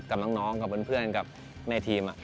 กับน้องกับเพื่อนกับในทีม